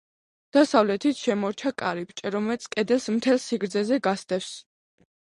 დასავლეთით შემორჩა კარიბჭე, რომელიც კედელს მთელ სიგრძეზე გასდევს.